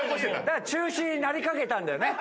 だから中止になりかけたんだよね。